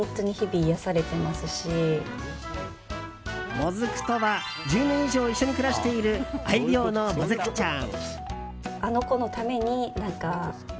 もずくとは１０年以上一緒に暮らしている愛猫のもずくちゃん。